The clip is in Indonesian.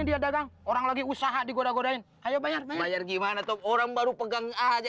dia dagang orang lagi usaha digoda godain ayo bayar bayar gimana tuh orang baru pegang aja